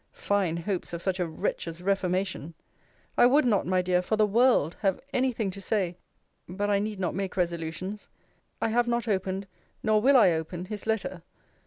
Fine hopes of such a wretch's reformation! I would not, my dear, for the world, have any thing to say but I need not make resolutions. I have not opened, nor will I open, his letter.